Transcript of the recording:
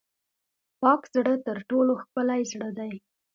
پاک زړه تر ټولو ښکلی زړه دی.